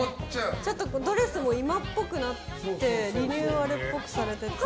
ドレスも今っぽくなってリニューアルっぽくされてて。